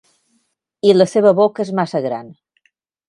I la seva boca es massa gran.